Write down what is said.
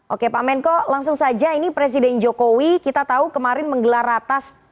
oke pak menko langsung saja ini presiden jokowi kita tahu kemarin menggelar ratas